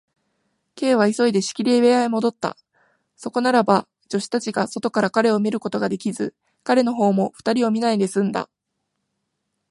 Ｋ は急いで仕切り部屋へもどった。そこならば、助手たちが外から彼を見ることができず、彼のほうも二人を見ないですんだ。